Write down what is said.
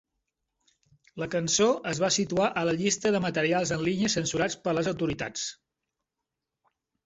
La cançó es va situar a la llista de materials en línia censurats per les autoritats.